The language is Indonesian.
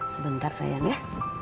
sebentar sayang ya